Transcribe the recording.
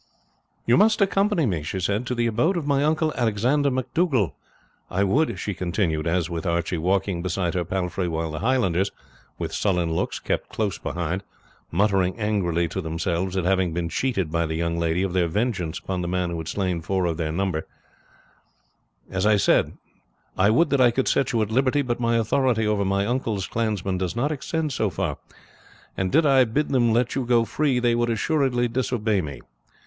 "You must accompany me," she said, "to the abode of my uncle Alexander MacDougall. I would," she continued, as, with Archie walking beside her palfrey, while the Highlanders, with sullen looks, kept close behind, muttering angrily to themselves at having been cheated by the young lady of their vengeance upon the man who had slain four of their number, "that I could set you at liberty, but my authority over my uncle's clansmen does not extend so far; and did I bid them let you go free they would assuredly disobey me.